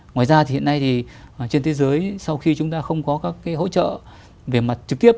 ngoài ra thì hiện nay thì trên thế giới sau khi chúng ta không có các hỗ trợ về mặt trực tiếp